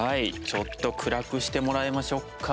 ちょっと暗くしてもらいましょうか。